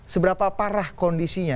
seberapa parah kondisinya